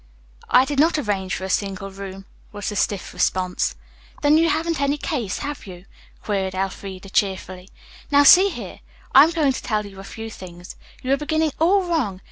"I did not arrange for a single room," was the stiff response. "Then you haven't any case, have you?" queried Elfreda cheerfully. "Now, see here. I am going to tell you a few things. You are beginning all wrong.